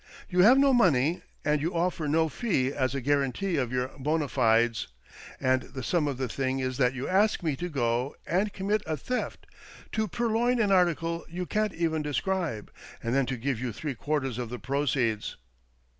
You have no money, and you offer no fee as a guarantee of your bond fides, and the sum of the thing is that you ask me to go and commit a theft — to purloin an article you can't even describe, and then to give you three quarters of the proceeds.